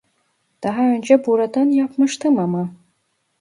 Daha önce buradan yapmıştım ama?